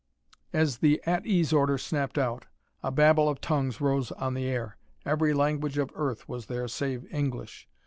As the "At ease" order snapped out a babel of tongues rose on the air. Every language of Earth was there save English.